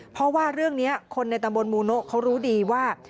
เพราะว่าเรื่องนี้คนในตำบลมูโนะเขารู้ดีว่า